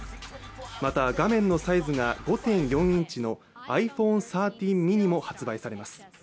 また、画面のサイズが５．４インチのｉＰｈｏｎｅ１３ｍｉｎｉも発売されます。